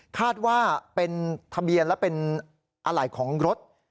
คาดว่าเป็นทะเบียนและเป็นอะไรของรถ